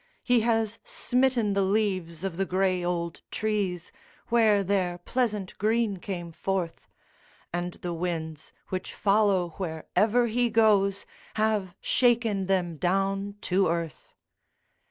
He has smitten the leaves of the gray old trees where their pleasant green came forth, And the winds, which follow wherever he goes, have shaken them down to earth.